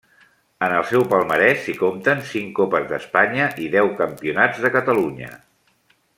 En el seu palmarès s'hi compten cinc Copes d'Espanya i deu campionats de Catalunya.